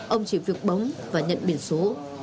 ông chỉ việc bấm và nhận biển số